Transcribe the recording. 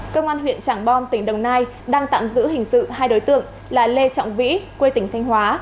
công an huyện trảng bom tỉnh đồng nai đang tạm giữ hình sự hai đối tượng là lê trọng vĩ quê tỉnh thanh hóa